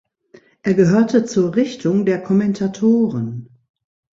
Er gehörte zur Richtung der Kommentatoren.